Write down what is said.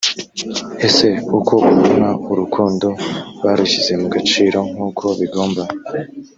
ese uko ubona urukundo barushyize mu gaciro nk’uko bigomba‽